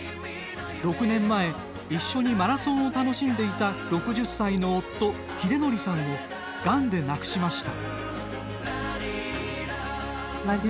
６年前、一緒にマラソンを楽しんでいた、６０歳の夫秀範さんをがんで亡くしました。